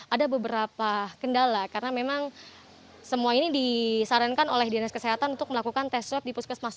ada beberapa kendala karena memang semua ini disarankan oleh dinas kesehatan untuk melakukan tes swab di puskesmas